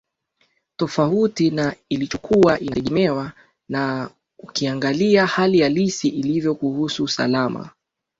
tofauti na ilichokuwa inategemewa na ukiangalia hali halisi ilivyo kuhusu usalama